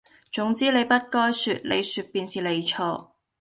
總之你不該説，你説便是你錯！」